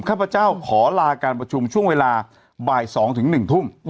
ข้าพเจ้าขอลาการประชุมช่วงเวลาบ่าย๒๑ทุ่ม